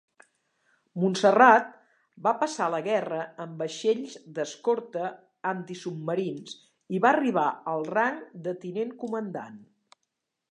Monsarrat va passar la guerra en vaixells d'escorta antisubmarins, i va arribar al rang de Tinent Comandant.